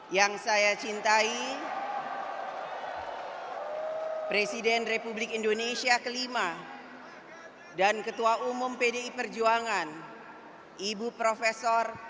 yang saya cintai presiden republik indonesia ke lima dan ketua umum pdi perjuangan ibu profesor